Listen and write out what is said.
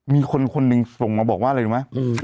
มีคนคนหนึ่งส่งมาบอกว่าอะไรรู้ไหม